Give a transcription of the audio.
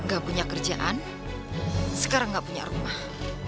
gak punya kerjaan sekarang nggak punya rumah